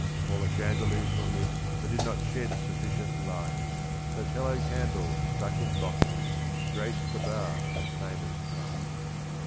All the chandeliers were lit, but did not shed sufficient light, So tallow candles, stuck in bottles, graced the bar that famous night.